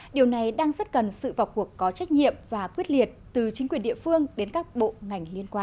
điều này đang rất cần sự vào cuộc có trách nhiệm và quyết liệt từ chính quyền địa phương đến các bộ ngành liên quan